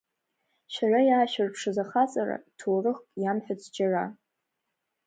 Шәара иаашәырԥшыз ахаҵара, ҭоурыхк иамҳәац џьара.